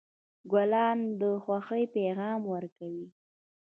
ګلان د خوښۍ پیغام ورکوي.